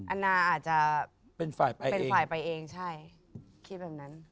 อันนาอาจจะเป็นฝ่ายไปเองใช่คิดแบบนั้น